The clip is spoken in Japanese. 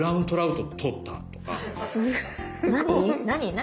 何？